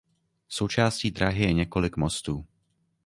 Součástí dráhy je několik mostů.